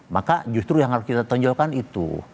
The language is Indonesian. maka justru yang harus kita tonjolkan itu